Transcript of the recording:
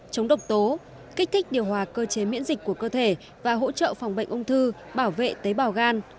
chống độc tố kích thích điều hòa cơ chế miễn dịch của cơ thể và hỗ trợ phòng bệnh ung thư bảo vệ tế bào gan